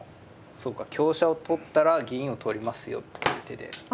そうか香車を取ったら銀を取りますよっていう手で。